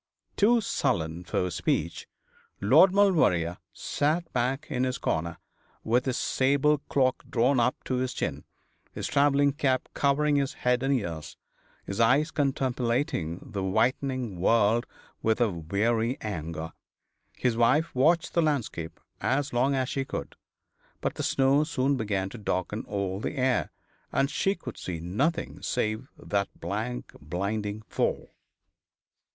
Too sullen for speech, Lord Maulevrier sat back in his corner, with his sable cloak drawn up to his chin, his travelling cap covering head and ears, his eyes contemplating the whitening world with a weary anger. His wife watched the landscape as long as she could, but the snow soon began to darken all the air, and she could see nothing save that blank blinding fall.